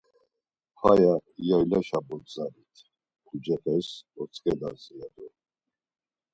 Haya, yaylaşa bogzalit, pucepes otzǩedas ya do.